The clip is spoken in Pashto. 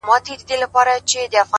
ماته دي د سر په بيه دوه جامه راکړي دي ـ